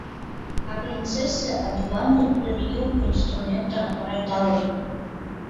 Апринцесса адиуан дықәтәаны илку аинструмент арҳәара далагоит.